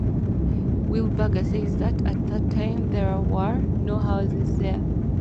Wilbarger says that at that time there were no houses there.